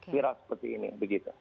viral seperti ini begitu